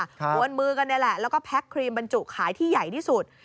วนมือกันนี่แหละแล้วก็แพ็คครีมบรรจุขายที่ใหญ่ที่สุด